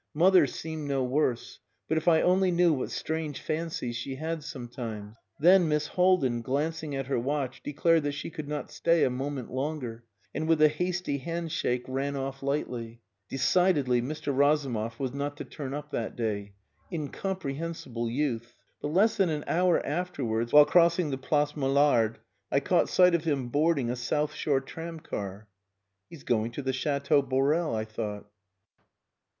Mother seemed no worse, but if I only knew what strange fancies she had sometimes! Then Miss Haldin, glancing at her watch, declared that she could not stay a moment longer, and with a hasty hand shake ran off lightly. Decidedly, Mr. Razumov was not to turn up that day. Incomprehensible youth! But less than an hour afterwards, while crossing the Place Mollard, I caught sight of him boarding a South Shore tramcar. "He's going to the Chateau Borel," I thought.